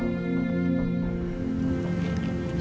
sampai jumpa lagi